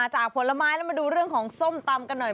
ผลไม้แล้วมาดูเรื่องของส้มตำกันหน่อย